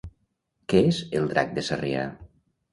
Què és el Drac de Sarrià?